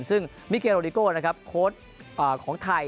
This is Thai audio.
ซึ่งมิเคลโรดิโก้โค้ดของไทย